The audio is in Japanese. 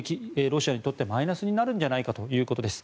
ロシアにとってマイナスになるんじゃないかということです。